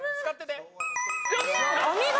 お見事。